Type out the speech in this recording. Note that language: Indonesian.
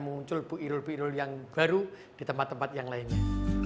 muncul bu rirul yang baru di tempat tempat yang lainnya